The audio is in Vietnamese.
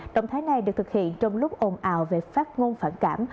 động thái này được thực hiện trong lúc ồn ào về phát ngôn phản cảm